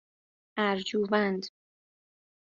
اَرجوند